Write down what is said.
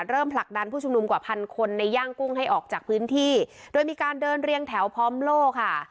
ผลักดันผู้ชุมนุมกว่าพันคนในย่างกุ้งให้ออกจากพื้นที่โดยมีการเดินเรียงแถวพร้อมโล่ค่ะ